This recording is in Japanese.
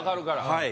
はい。